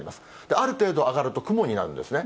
ある程度上がると、雲になるんですね。